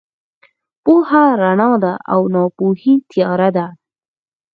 پوهه رڼا ده او ناپوهي تیاره ده.